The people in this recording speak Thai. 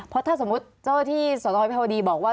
เพราะถ้าสมมุติเจ้าที่สนวิภาวดีบอกว่า